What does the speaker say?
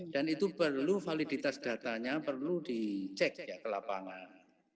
dan itu perlu validitas datanya perlu dicek ya ke lapangan